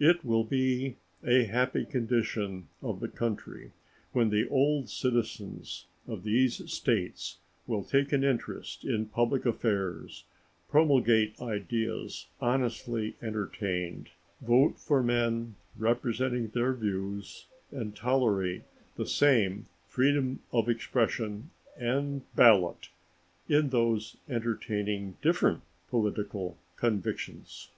It will be a happy condition of the country when the old citizens of these States will take an interest in public affairs, promulgate ideas honestly entertained, vote for men representing their views, and tolerate the same freedom of expression and ballot in those entertaining different political convictions.